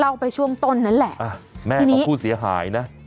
ไปช่วงต้นนั้นแหละแม่ของผู้เสียหายนะ